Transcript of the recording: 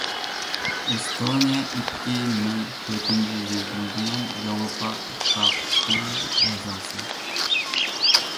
ئېستونىيە ئىككى مىڭ تۆتىنچى يىلىدىن بۇيان ياۋروپا ئىتتىپاقىنىڭ ئەزاسى.